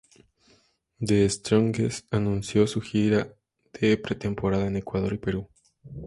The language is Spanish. The Strongest anunció su gira de pretemporada en Ecuador y Perú.